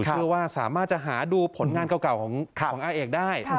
เชื่อว่าสามารถจะหาดูผลงานเก่าของอาเอกได้